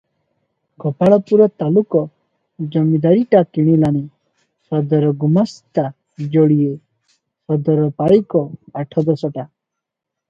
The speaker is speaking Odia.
ଗୋପାଳପୁର ତାଲୁକ ଜମିଦାରୀଟା କିଣିଲାଣି, ସଦର ଗୁମାସ୍ତା ଯୋଡିଏ, ସଦର ପାଇକ ଆଠ ଦଶଟା ।